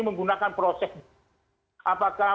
menggunakan proses apakah